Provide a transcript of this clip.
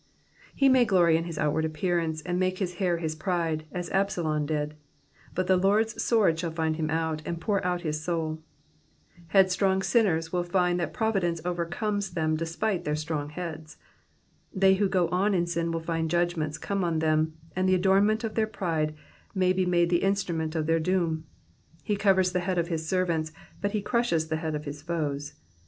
'' IIo may glory in his outward appearance, and make his hair his pride, as Absalom aid ; but the Lord's sword shall find him out, and pour out his soul. Headstrong sinners will find that providence overcomes them despite their strong heads. They who go on in sm will find judgments come on them ; and the nuornment of their pride may be made the instrument of their doom. He covers the head of his servants, but he crushes the head of his foes.